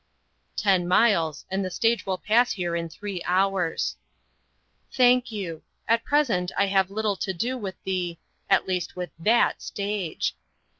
"Ten miles, and the stage will pass here in three hours." "Thank you; at present I have little to do with the at least with THAT stage.